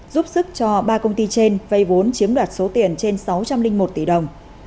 giúp sức cho ba công ty trên vay vốn chiếm đoạt số tiền trên sáu trăm linh một tỷ đồng